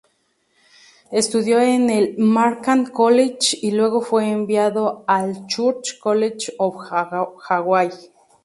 Estudió en el Markham College y luego fue enviado al Church College of Hawái.